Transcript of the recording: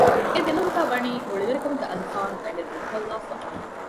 އެދޮލޮލުގައި ވަނީ ރުޅިވެރިކަމުގެ އަލިފާން ގަނޑެއް ރޯކޮށްލާފަ